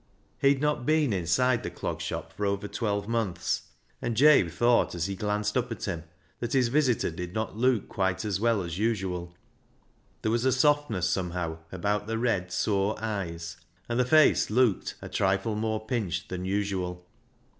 He had not been inside the Clog Shop for over twelve months, and Jabe thought as he glanced up at him that his visitor did not look quite as well as usual. There was a softness, somehow, about the red, sore eyes, and the face looked a trifle more pinched than usual.